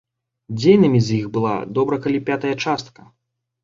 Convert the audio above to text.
Дзейнымі з іх была добра калі пятая частка.